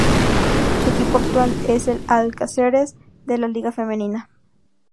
Su equipo actual es el Al-Qázeres de la Liga Femenina.